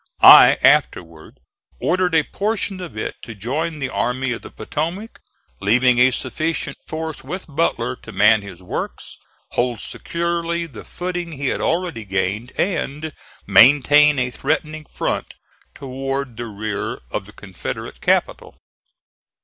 I afterward ordered a portion of it to join the Army of the Potomac, leaving a sufficient force with Butler to man his works, hold securely the footing he had already gained and maintain a threatening front toward the rear of the Confederate capital.